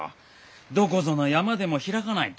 どこぞの山でも拓かないと。